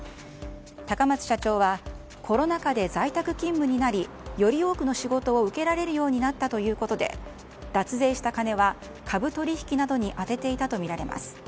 高松社長はコロナ禍で在宅勤務になりより多くの仕事を受けられるようになったということで脱税した金は、株取引などに充てていたとみられます。